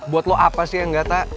buat lo apa sih yang gak ta